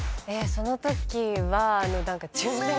そのときは。